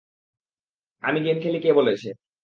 আমি গেম খেলি কে বলেছে?